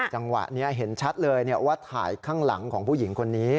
จังหวะนี้เห็นชัดเลยว่าถ่ายข้างหลังของผู้หญิงคนนี้